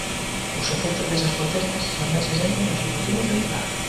Os efectos desas protestas tamén se senten no executivo central...